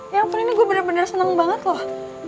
ya ampun ini gue bener bener seneng banget loh